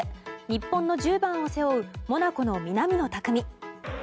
日本の１０番を背負うモナコの南野拓実。